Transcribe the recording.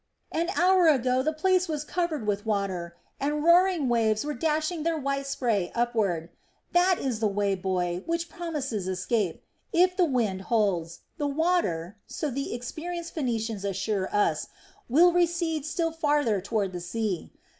An hour ago the place was covered with water, and roaring waves were dashing their white spray upward. That is the way, boy, which promises escape; if the wind holds, the water so the experienced Phoenicians assure us will recede still farther toward the sea.